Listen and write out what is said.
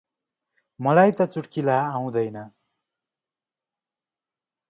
मलाई त चुट्किला आउदैन ।